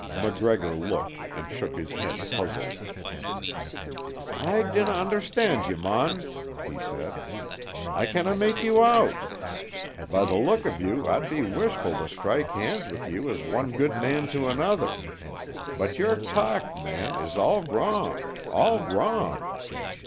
MacGregor looked and shook his head, puzzled. "I dinna understand ye, mon," he said. "I canna make you out. By the look of you I'd be wishful to strike hands with you as one good man to another; but your talk, man, is all wrong, all wrong.